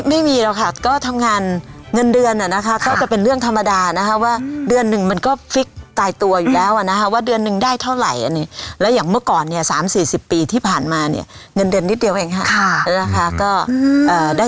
ไม่มีหรอกค่ะก็ทำงานเงินเดือนอ่ะนะคะก็จะเป็นเรื่องธรรมดานะคะว่าเดือนหนึ่งมันก็ฟิกตายตัวอยู่แล้วอ่ะนะคะว่าเดือนหนึ่งได้เท่าไหร่อันนี้แล้วอย่างเมื่อก่อนเนี่ย๓๔๐ปีที่ผ่านมาเนี่ยเงินเดือนนิดเดียวเองค่ะนะคะ